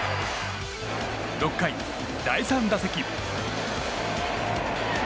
６回、第３打席。